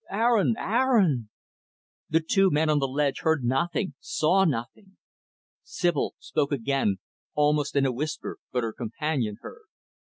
Aaron! Aaron!" The two men on the ledge heard nothing saw nothing. Sibyl spoke again, almost in a whisper, but her companion heard.